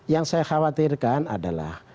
yang saya khawatirkan adalah